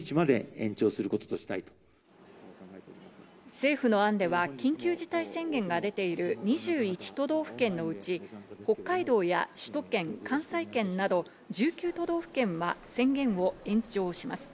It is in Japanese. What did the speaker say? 政府の案では緊急事態宣言が出ている２１都道府県のうち、北海道や首都圏、関西圏など１９都道府県は宣言を延長します。